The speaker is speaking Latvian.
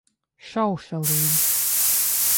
Šaušalīgi.